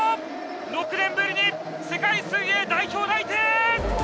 ６年ぶりに世界水泳代表内定！